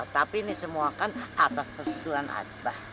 tapi ini semua kan atas kesetujuan atbah